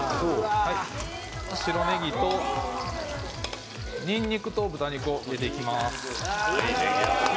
白ねぎとにんにくと豚肉を入れていきます。